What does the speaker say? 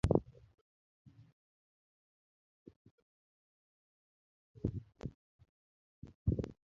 nyithindoka nong'iye gi buok bang'e to negisiemone yo madhi kuro